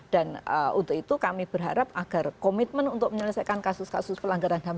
dan untuk itu kami berharap agar komitmen untuk menyelesaikan kasus kasus pelanggaran ham